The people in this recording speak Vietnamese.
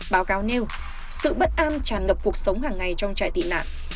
báo cáo nêu sự bất an tràn ngập cuộc sống hàng ngày trong trại tị nạn